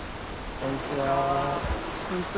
こんにちは。